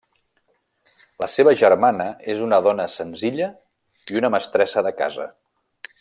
La seva germana és una dona senzilla i una mestressa de casa.